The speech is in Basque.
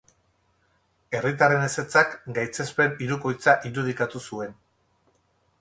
Herritarren ezetzak gaitzespen hirukoitza irudikatu zuen.